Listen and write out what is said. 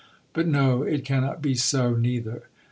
But no : it cannot be so, neither.